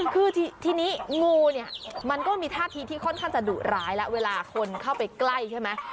คือทีนี้งูเนี่ยมันก็มีท่าทีที่ค่อนข้างจะดุร้ายแล้วเวลาคนเข้าไปใกล้ใช่ไหม